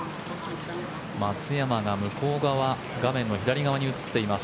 松山が向こう側画面の左側に映っています。